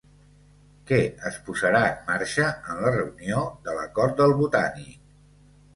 Què es posarà en marxa en la reunió de l'Acord del Botànic?